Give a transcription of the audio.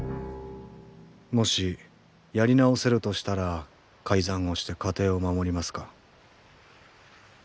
もしやり直せるとしたら改ざんをして家庭を守りますか？